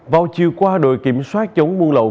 vào chiều qua đội kiểm soát chống buôn lậu